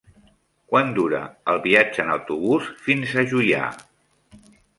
Quant dura el viatge en autobús fins a Juià?